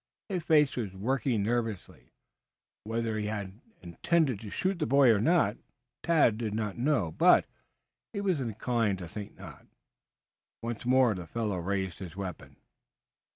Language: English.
His face was working nervously. Whether he had intended to shoot the boy or not, Tad did not know, but he was inclined to think not. Once more the fellow raised his weapon.